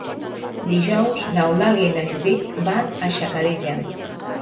Dijous n'Eulàlia i na Judit van a Xacarella.